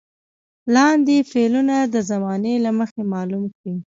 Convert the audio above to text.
لاندې فعلونه د زمانې له مخې معلوم کړئ.